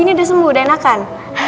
ini udah sembuh udah enak kan